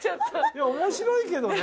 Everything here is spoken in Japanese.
いや面白いけどね。